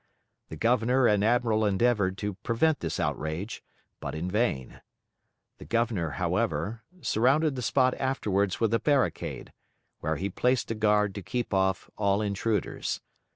The Governor and Admiral endeavoured to prevent this outrage, but in vain. The Governor, however, surrounded the spot afterwards with a barricade, where he placed a guard to keep off all intruders.